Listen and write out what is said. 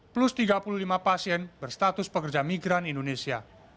plus tiga puluh lima pasien berstatus pekerja migran indonesia